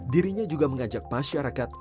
dirinya juga mengajak masyarakat